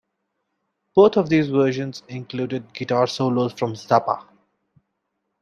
Both of these versions included guitar solos from Zappa.